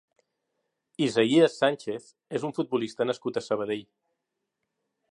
Isaías Sánchez és un futbolista nascut a Sabadell.